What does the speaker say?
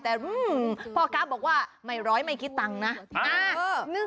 แต่พ่อครับบอกว่าไม่ร้อยมีพื้นขนาดกิ๊น